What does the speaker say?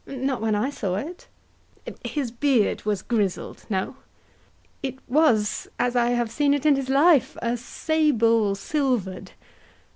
Not when I saw't. HAMLET. His beard was grizzled, no? HORATIO. It was, as I have seen it in his life, A sable silver'd.